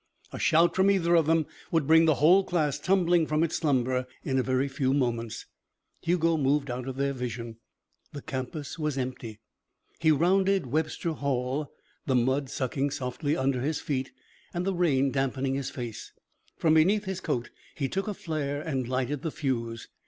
A shout from either of them would bring the whole class tumbling from its slumber in a very few moments. Hugo moved out of their vision. The campus was empty. He rounded Webster Hall, the mud sucking softly under his feet and the rain dampening his face. From beneath his coat he took a flare and lighted the fuse.